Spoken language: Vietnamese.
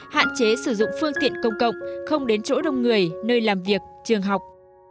hạn chế sử dụng phương tiện công cộng không đến chỗ đông người nơi làm việc trường học